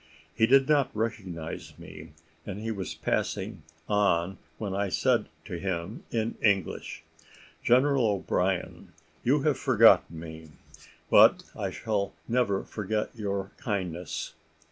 He did not recognise me, and he was passing on, when I said to him in English, "General O'Brien, you have forgotten me; but I shall never forget your kindness."